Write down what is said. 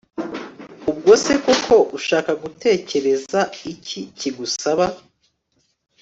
ubwo so koko ushaka gutekereza iki kigusaba